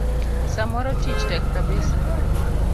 Samoro tich tek kabisa.